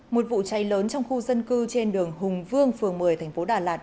một vụ cháy lớn trong khu dân cư trên đường hùng vương phường một mươi tp đà lạt